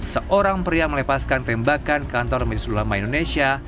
seorang pria melepaskan tembakan kantor majelis ulama indonesia